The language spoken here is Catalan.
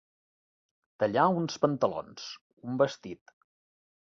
Tallar uns pantalons, un vestit.